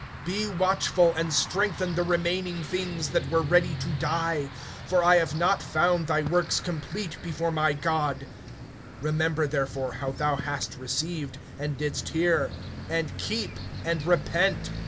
(2)Be watchful, and strengthen the remaining things, that were ready to die; for I have not found thy works complete before my God. (3)Remember therefore how thou hast received, and didst hear, and keep, and repent.